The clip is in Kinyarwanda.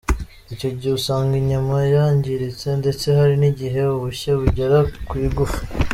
Icyo gihe usanga inyama yangiritse ndetse hari n’igihe ubushye bugera ku igufa .